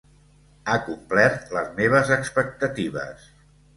Ha complert les meves expectatives.